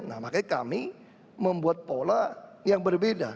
nah makanya kami membuat pola yang berbeda